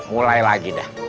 mulai lagi dah